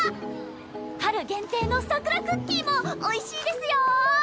春限定の桜クッキーもおいしいですよ！